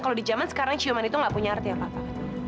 kalau di zaman sekarang ciuman itu gak punya arti apa apa